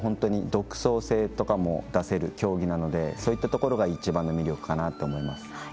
独創性とかも出せる競技なのでそういったところが一番の魅力かなと思います。